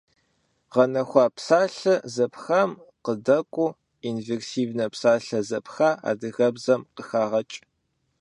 Гъэнэхуа псалъэ зэпхам къыдэкӏуэу инверсивнэ псалъэ зэпха адыгэбзэм къыхагъэкӏ.